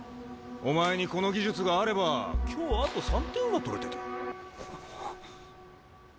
お前にこの技術があれば今日あと３点は取れてた。